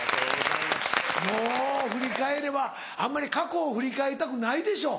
もう振り返ればあんまり過去を振り返りたくないでしょ？